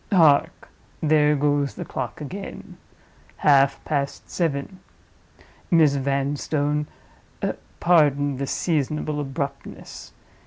Hark! there goes the clock again—half past seven. Miss Vanstone, pardon this seasonable abruptness!